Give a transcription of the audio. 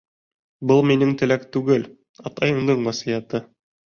Был минең теләк түгел, атайыңдың васыяты.